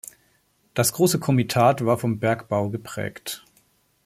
Das große Komitat war vom Bergbau geprägt.